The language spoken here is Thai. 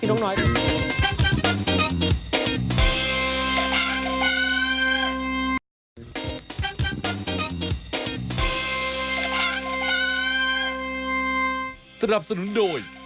พี่น้องน้อย